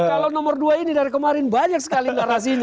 kalau nomor dua ini dari kemarin banyak sekali narasinya